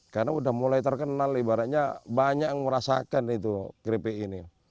karena udah mulai terkenal ibaratnya banyak yang merasakan itu kripik ini